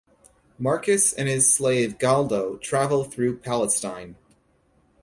Marcus and his slave Galdo travel through Palestine.